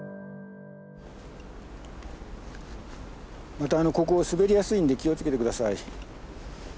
またここ滑りやすいんで気を付けて下さい。